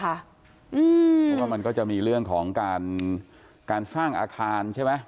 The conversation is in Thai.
เพราะว่ามันก็จะมีเรื่องของการสร้างอาคารใช่ไหม